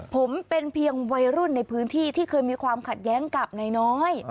ผมเป็นเพียงวัยรุ่นในพื้นที่ที่เคยมีความขัดแย้งกับนายน้อย